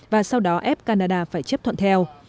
và sau đó ép canada phải chấp thuận theo